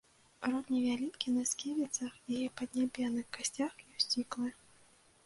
Рот невялікі, на сківіцах і паднябенных касцях ёсць іклы.